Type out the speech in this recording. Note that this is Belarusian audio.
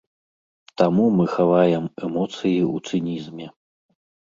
Таму мы хаваем эмоцыі у цынізме.